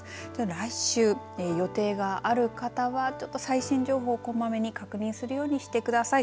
来週、予定がある方は最新情報をこまめに確認するようにしてください。